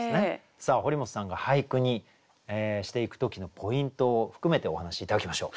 さあ堀本さんが俳句にしていく時のポイントを含めてお話し頂きましょう。